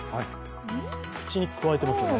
口にくわえてますよね。